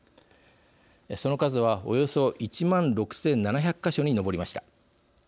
その数はおよそ１万６，７００か所に上りました。